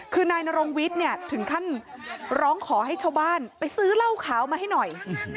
คือนายนรงวิทย์เนี่ยถึงขั้นร้องขอให้ชาวบ้านไปซื้อเหล้าขาวมาให้หน่อย